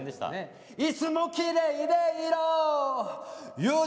「いつもきれいでいろ」